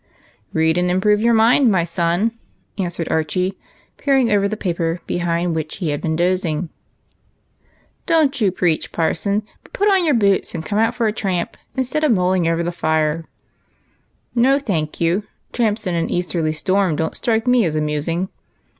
" Read and improve your mind, my son," answered Archie, peering solemnly over the paper behind which he had been dozing. " Don't you preach, parson ; but put on your boots and come out for a tramp, instead of mulling over the fire like a granny." " No, thank you, tramps in an easterly storm don't strike me as amusing."